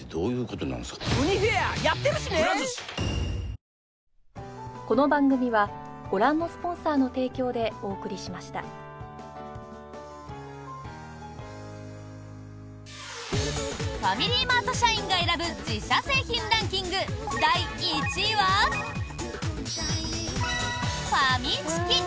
俺がこの役だったのにファミリーマート社員が選ぶ自社製品ランキング第１位は。ファミチキ。